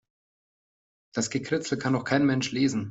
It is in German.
Das Gekritzel kann doch kein Mensch lesen.